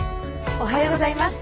おはようございます。